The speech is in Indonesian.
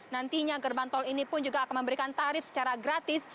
nantinya gerbang tol ini pun juga akan memberikan tarif secara gratis